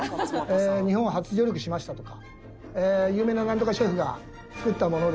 「日本初上陸しました」とか「有名なナントカシェフが作ったものです」とか。